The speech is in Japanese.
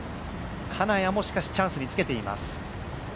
金谷もチャンスにつけています。